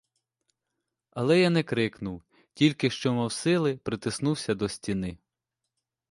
Але я не крикнув, тільки що мав сили притиснувся до стіни.